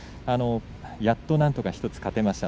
やっとなんとか１つ勝てました。